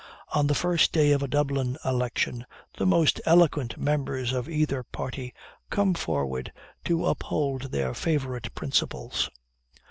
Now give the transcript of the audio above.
On the first day of a Dublin election, the most eloquent members of either party come forward to uphold their favorite principles.